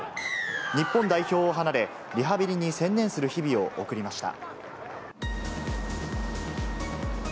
日本代表を離れ、リハビリに専念する日々を送りました。